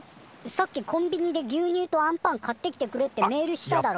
さっき「コンビニで牛乳とあんパン買ってきてくれ」ってメールしただろ？